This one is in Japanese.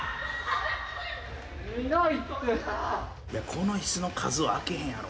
この椅子の数は開けへんやろ。